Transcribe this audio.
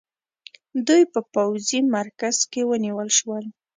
دوی په پوځي مرکز کې ونیول شول.